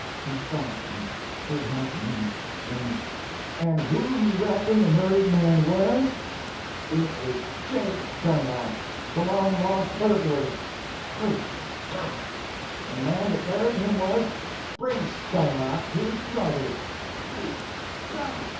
He stopped, and stood half a minute. Then—"And who do you reckon the murdered man was? It was—Jake Dunlap, the long lost burglar!" "Great Scott!" "And the man that buried him was—Brace Dunlap, his brother!" "Great Scott!"